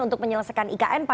untuk menyelesaikan ikn